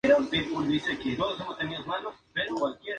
Son islas menos abruptas que las islas del país situadas más al sur.